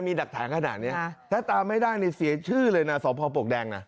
ดักฐานขนาดนี้ถ้าตามไม่ได้เนี่ยเสียชื่อเลยนะสพปวกแดงนะ